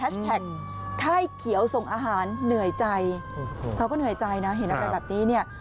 แฮชแท็กไข้เขียวส่งอาหารเหนื่อยใจเราก็เหนื่อยใจนะเห็นอะไรแบบนี้